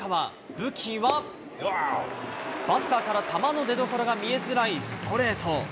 武器はバッターから球の出どころが見えづらいストレート。